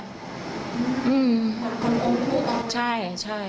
อืมใช่